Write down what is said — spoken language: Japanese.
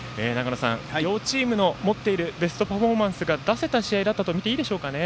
両チームの持っているベストパフォーマンスが出せた試合だったとみていいでしょうかね。